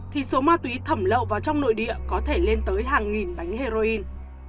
thì số ma túy thẩm lậu vào trong nội địa có thể lên tới hàng nghìn bánh heroin